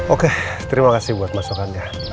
oke terima kasih buat masukannya